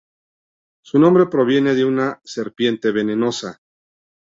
Su nombre proviene de una serpiente venenosa.